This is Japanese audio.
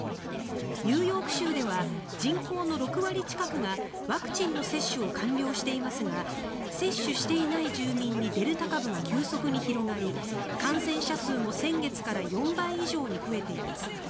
ニューヨーク州では人口の６割近くがワクチンの接種を完了していますが接種していない住民にデルタ株が急速に広がり感染者数も先月から４倍以上に増えています。